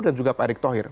dan juga pak erick thohir